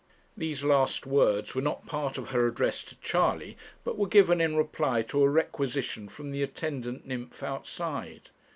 These last words were not part of her address to Charley, but were given in reply to a requisition from the attendant nymph outside.